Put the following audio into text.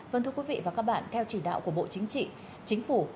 vâng thưa quý vị và các bạn theo chỉ đạo của bộ chính trị chính phủ